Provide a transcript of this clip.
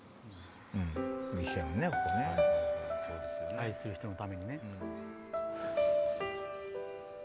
愛する人のためにね。